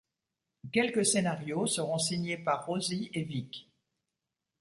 Quelques scénarios seront signés par Rosy et Vicq.